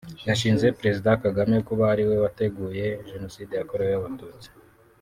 yashinje Perezida Kagame kuba ariwe wateguye Genocide yakorewe abatutsi